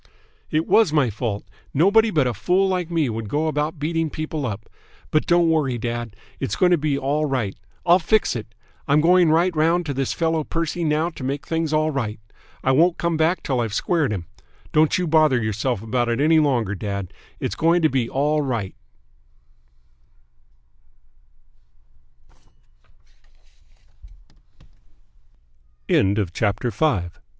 "It was my fault. Nobody but a fool like me would go about beating people up. But don't worry, dad. It's going to be all right. I'll fix it. I'm going right round to this fellow Percy now to make things all right. I won't come back till I've squared him. Don't you bother yourself about it any longer, dad. It's going to be all right."